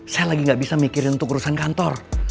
saya lagi gak bisa mikirin untuk urusan kantor